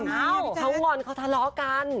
เหล้าเค้าหง่อนเค้าทะเลาะกัน